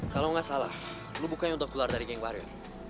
kalau gak salah lo bukannya udah keluar dari geng wario